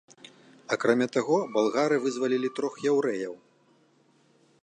Акрамя таго, балгары вызвалілі трох яўрэяў.